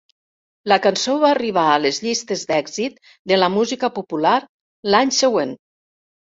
La cançó va arribar a les llistes d'èxit de la música popular l'any següent.